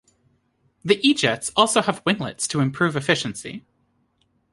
The E-jets also have winglets to improve efficiency.